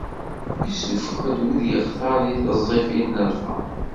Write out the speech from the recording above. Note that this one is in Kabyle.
Issufeɣ-d wid yextar di tiẓẓifin n lferḥ.